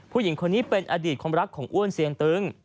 ผู้หญิงคนนี้เป็นอดีตความรักของอ้วนเสียงตึง